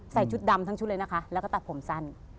ชุดดำทั้งชุดเลยนะคะแล้วก็ตัดผมสั้น